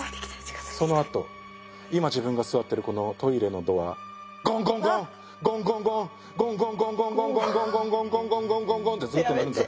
そのあと今自分が座ってるこのトイレのドアゴンゴンゴンゴンゴンゴンゴンゴンゴンゴンゴンゴンゴンゴンゴンゴンゴンゴンってずっと鳴るんですよ。